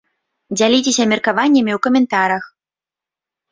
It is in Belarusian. Дзяліцеся меркаваннямі ў каментарах!